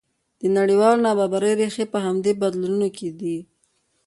د نړیوالې نابرابرۍ ریښې په همدې بدلونونو کې دي.